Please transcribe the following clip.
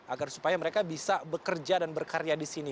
agar supaya mereka bisa bekerja dan berkarya di sini